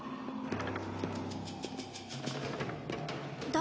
誰？